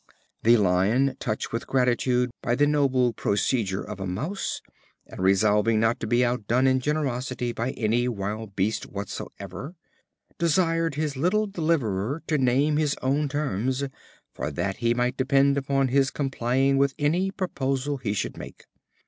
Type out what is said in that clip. The Lion, touched with gratitude by the noble procedure of a Mouse, and resolving not to be outdone in generosity by any wild beast whatsoever, desired his little deliverer to name his own terms, for that he might depend upon his complying with any proposal he should make.